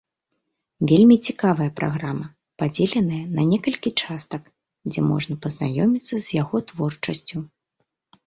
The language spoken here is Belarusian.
Вельмі цікавая праграма, падзеленая на некалькі частак, дзе можна пазнаёміцца з яго творчасцю.